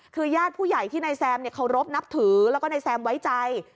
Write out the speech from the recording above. คือญาติผู้ใหญ่ที่นายแซมเคารพนับถือแล้วก็นายแซมไว้ใจ